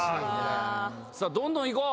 どんどん行こう！